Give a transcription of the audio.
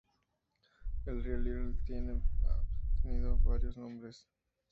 El río Little ha tenido varios nombres.